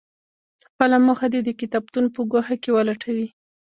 خپله موخه دې د کتابتون په ګوښه کې ولټوي.